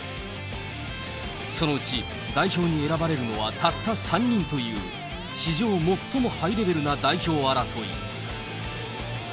そのうち代表に選ばれるのはたった３人という、史上最もハイレベルな代表争い。